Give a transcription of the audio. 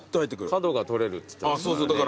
角が取れるっつってたからね。